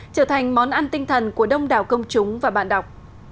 trở thành món ăn tinh thần của đông đảo công chúng và bạn đọc